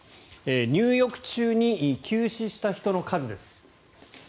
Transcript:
入浴中に急死した人の数です。